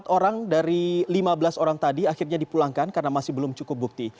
empat orang dari lima belas orang tadi akhirnya dipulangkan karena masih belum cukup bukti